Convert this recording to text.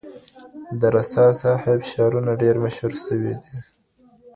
د رسا صاحب شعرونه ډېر مشهور دي.